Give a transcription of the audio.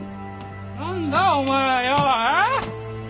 なんだお前はよ！えっ！？